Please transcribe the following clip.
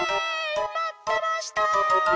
まってました。